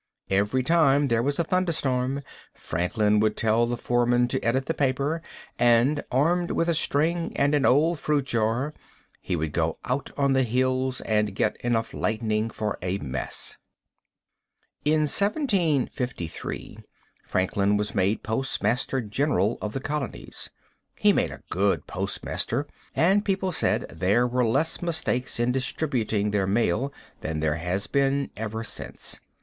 Every time there was a thunder storm, Franklin would tell the foreman to edit the paper, and, armed with a string and an old fruit jar, he would go out on the hills and get enough lightning for a mess. [Illustration: "HOW'S TRADE?"] In 1753 Franklin was made postmaster general of the colonies. He made a good postmaster general, and people say there were less mistakes in distributing their mail than there has ever been since.